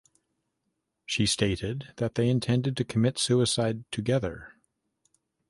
She stated that they intended to commit suicide together.